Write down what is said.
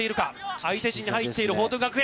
相手陣に入っている報徳学園。